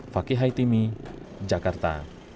fakih haitimi jakarta